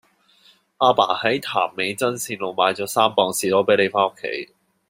亞爸喺潭尾真善路買左三磅士多啤梨返屋企